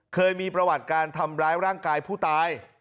เคยมีประวัติการทำร้ายร่างกายผู้ตาย